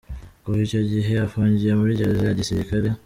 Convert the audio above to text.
Kuva icyo gihe afungiye muri gereza ya gisirikare.